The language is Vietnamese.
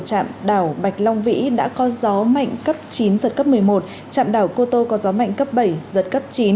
trạm đảo bạch long vĩ đã có gió mạnh cấp chín giật cấp một mươi một trạm đảo cô tô có gió mạnh cấp bảy giật cấp chín